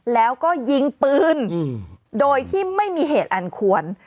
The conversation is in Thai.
แล้วก็ยิงปืนโดยที่ไม่มีเหตุอันควร